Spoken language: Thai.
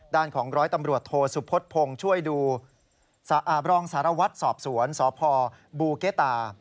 ด้านของร้อยตำรวจโทสุพธพงศ์ช่วยดูรองสารวัตรสอบสวนสพบูเกตา